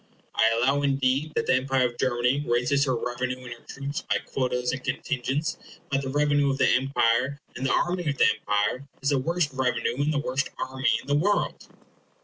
I allow indeed that the empire of Germany raises her revenue and her troops by quotas and contingents; but the revenue of the empire, and the army of the empire, is the worst revenue and the worst army in the world.